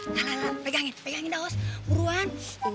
eh lalala pegangin pegangin dah os buruan